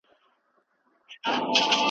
زه پانوس غوندي بلېږم دا تیارې رڼا کومه .